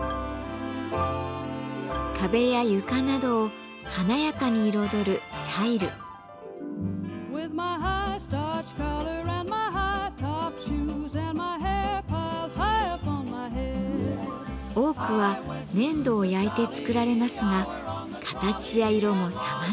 壁や床などを華やかに彩る多くは粘土を焼いて作られますが形や色もさまざま。